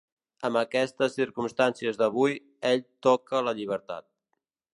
Amb aquestes circumstàncies d’avui, ell toca la llibertat.